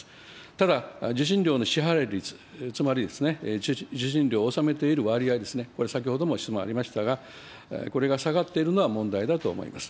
ただ、受信料の支払い率、つまり受信料を納めている割合ですね、これ、先ほども質問ありましたが、これが下がっているのは問題だと思います。